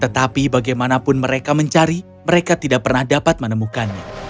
tetapi bagaimanapun mereka mencari mereka tidak pernah dapat menemukannya